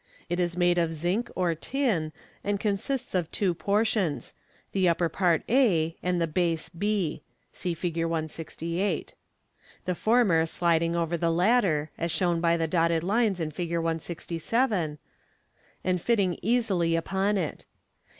It is made of zinc or tin, and consists of two portions — the upper part A, and the base B (see Fig. 168), the former sliding over the latter (as shown by the dotted lines in Fig. 167), and fitting easily upon it.